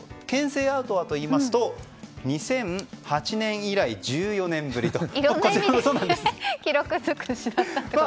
牽制アウトはといいますと２００８年以来１４年ぶりと。